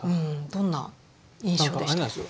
どんな印象でした？